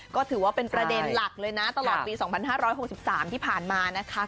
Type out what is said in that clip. ก็ถือว่าเป็นประเด็นหลักเลยนะตลอดปีสองพันห้าร้อยหกสิบสามที่ผ่านมานะคะ